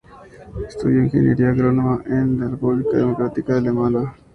Estudió ingeniería agrónoma en la República Democrática Alemana.